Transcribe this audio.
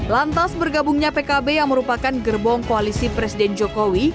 lantas bergabungnya pkb yang merupakan gerbong koalisi presiden jokowi